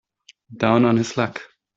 Down on his luck.